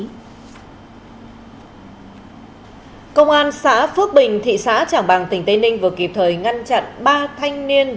công an xã phước bình thị xã trảng bàng tỉnh tây ninh vừa kịp thời ngăn chặn ba thanh niên